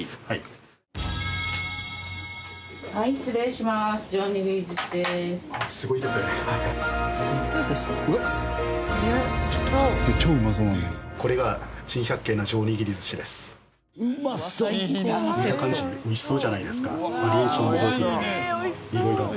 はい。